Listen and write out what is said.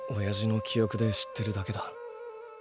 親父の記憶で知ってるだけだ。